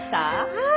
はい。